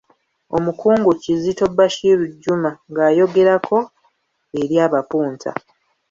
Omukungu Kizito Bashir Juma ng'ayogerako eri abapunta.